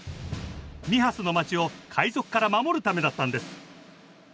ミハスの街を海賊から守るためだったんです。